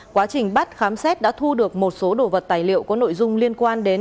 quá trình bắt khám xét đã thu được một số đồ vật tài liệu có nội dung liên quan đến